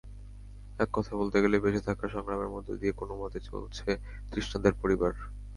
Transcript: এককথায় বলতে গেলে বেঁচে থাকার সংগ্রামের মধ্য দিয়ে কোনোমতে চলছে তৃষ্ণাদের পরিবার।